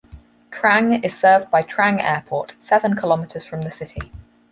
Trang is served by Trang Airport, seven kilometers from the city.